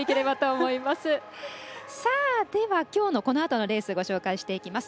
きょうのこのあとのレースをご紹介します。